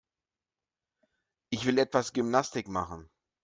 Ich will etwas Gymnastik machen.